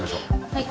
はい。